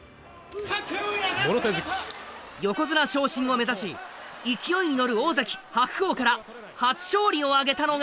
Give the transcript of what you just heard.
横綱昇進を目指し勢いに乗る大関白鵬から初勝利を挙げたのが。